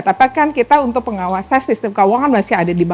tapi kan kita untuk pengawasan sistem keuangan masih ada di bawah